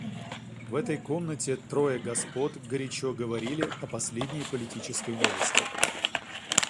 В этой комнате трое господ горячо говорили о последней политической новости.